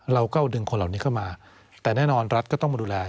เราก็เอาดึงคนเหล่านี้เข้ามาแต่แน่นอนรัฐก็ต้องมาดูแล